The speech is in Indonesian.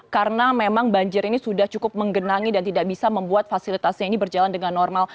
karena memang banjir ini sudah cukup menggenangi dan tidak bisa membuat fasilitas ini berjalan dengan normal